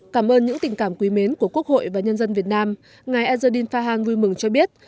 cảm ơn những tình cảm quý mến của quốc hội và nhân dân việt nam ngài ajedin fahan vui mừng cho biết